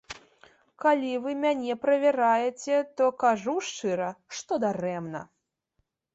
Калі вы мяне правяраеце, то кажу шчыра, што дарэмна.